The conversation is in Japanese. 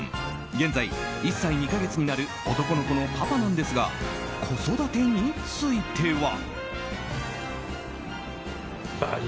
現在、１歳２か月になる男の子のパパなんですが子育てについては。